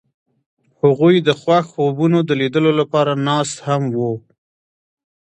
هغوی د خوښ خوبونو د لیدلو لپاره ناست هم وو.